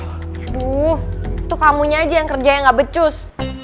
aduh itu kamu aja yang kerjanya gak becus